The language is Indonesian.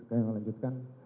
saya mau lanjutkan